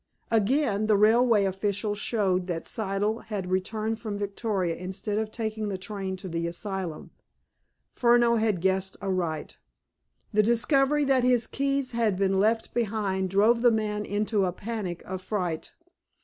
Again, the railway officials showed that Siddle had returned from Victoria instead of taking train to the asylum. Furneaux had guessed aright. The discovery that his keys had been left behind drove the man into a panic of fright.